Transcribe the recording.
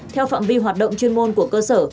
theo phạm vi hoạt động chuyên môn của cơ sở